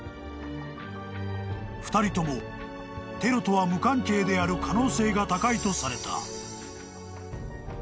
［２人ともテロとは無関係である可能性が高いとされた］